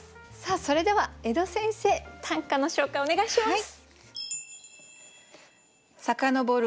それでは江戸先生短歌の紹介をお願いします。